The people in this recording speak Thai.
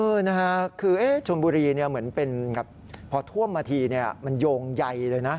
เออนะฮะคือชนบุรีเนี่ยเหมือนเป็นพอท่วมมาทีเนี่ยมันโยงใยเลยนะ